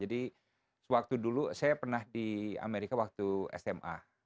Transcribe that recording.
jadi waktu dulu saya pernah di amerika waktu sma